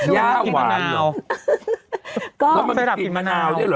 ยากกินมะนาว